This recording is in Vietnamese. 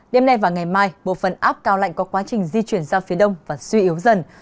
đêm nay và ngày mai bộ phần áp cao lạnh có quá trình di chuyển ra phía đông và suy yếu dần